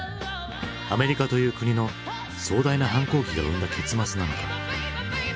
アメリカという国の壮大な反抗期が生んだ結末なのか？